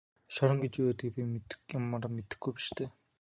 Шорон гэж юу байдгийг би ямар мэдэхгүй биш дээ.